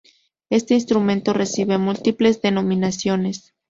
Este instrumento recibe múltiples denominaciones.